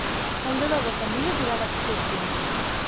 El deu d'agost en Milos irà d'excursió.